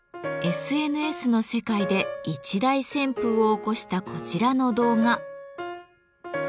ＳＮＳの世界で一大旋風を起こしたこちらの動画。